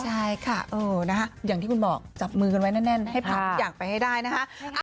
ใช่ค่ะอย่างที่คุณบอกจับมือกันไว้แน่นให้พักทุกอย่างไปให้ได้นะคะ